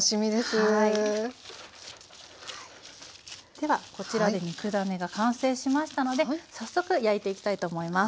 ではこちらで肉ダネが完成しましたので早速焼いていきたいと思います。